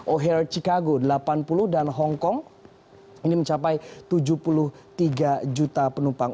o'hare chicago delapan puluh dan hong kong ini mencapai tujuh puluh tiga juta penumpang